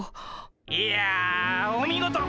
いやお見事！